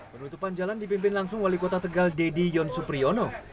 penutupan jalan dipimpin langsung wali kota tegal dedy yonsupriyono